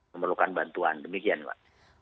memerlukan bantuan demikian mas